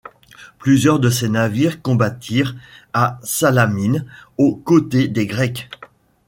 Plusieurs de ses navires combattirent à Salamine aux côtés des Grecs.